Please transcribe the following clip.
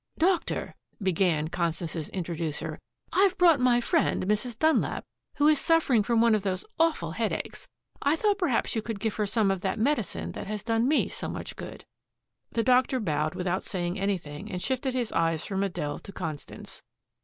"Doctor," began Constance's introducer, "I've brought my friend, Mrs. Dunlap, who is suffering from one of those awful headaches. I thought perhaps you could give her some of that medicine that has done me so much good." The doctor bowed without saying anything and shifted his eyes from Adele to Constance.